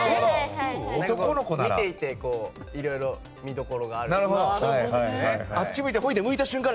見ていて、いろいろ見どころがあるというか。